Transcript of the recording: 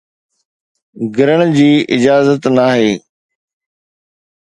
گرڻ جي اجازت ناهي